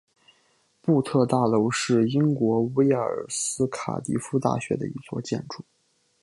布特大楼是英国威尔斯卡迪夫大学的一座建筑。